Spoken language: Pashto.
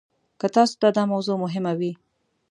که تاسو ته دا موضوع مهمه وي.